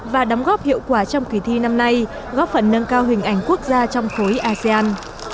và đóng góp hiệu quả trong kỳ thi năm nay góp phần nâng cao hình ảnh quốc gia trong khối asean